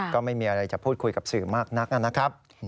ก็ไม่มีอะไรจะพูดคุยกับสื่อมากนักนะครับ